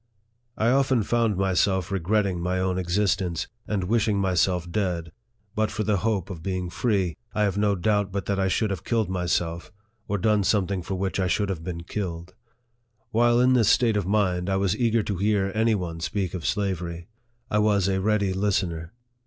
I often found myself regretting my own existence, and wishing myself dead ; and but for the hope of being free, I have no doubt but that I should have killed myself, or done something for which I should have been killed. While in this state of mind, I was eager to hear any one speak of slavery. I was a ready listener.